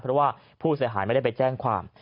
เพราะว่าผู้เสียหายไม่ได้ไปแจ้งความ